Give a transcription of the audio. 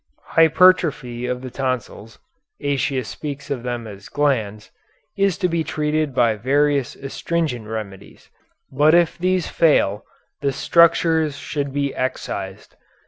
Hypertrophy of the tonsils Aëtius speaks of them as glands is to be treated by various astringent remedies, but if these fail the structures should be excised.